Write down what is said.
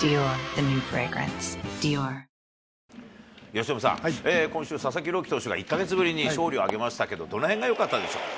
由伸さん、今週、佐々木朗希投手が１か月ぶりに勝利を挙げましたけれども、どのへんがよかったでしょう。